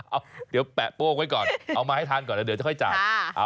เอาเดี๋ยวแปะโป้งไว้ก่อนเอามาให้ทานก่อนแล้วเดี๋ยวจะค่อยจ่าย